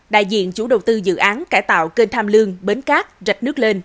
đại diện chủ đầu tư dự án cải tạo kênh tham lương bến cát rạch nước lên